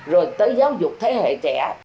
rồi tới giáo dục thế hệ trẻ